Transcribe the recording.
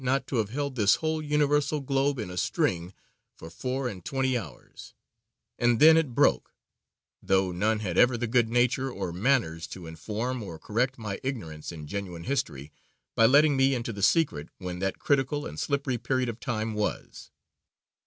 not to have held this whole universal globe in a string for four and twenty hours; and then it broke: though none had ever the good nature or manners to inform or correct my ignorance in genuine history, by letting me into the secret when that critical and slippery period of time was."